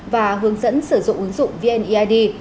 và hướng dẫn sử dụng ứng dụng vneid